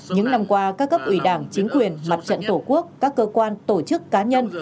những năm qua các cấp ủy đảng chính quyền mặt trận tổ quốc các cơ quan tổ chức cá nhân